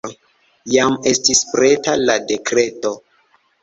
Jam estis preta la dekreto.